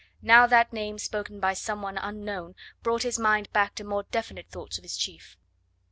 Now that name spoken by some one unknown brought his mind back to more definite thoughts of his chief.